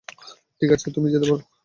ঠিক আছে, তুমি যেতে পারো।